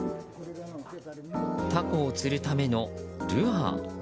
タコを釣るためのルアー。